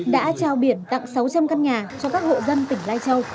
đã trao biển tặng sáu trăm linh căn nhà cho các hộ dân tỉnh lai châu